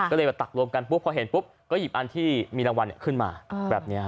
ก็เลยมาตักรวมกันปุ๊บพอเห็นปุ๊บก็หยิบอันที่มีรางวัลขึ้นมาแบบนี้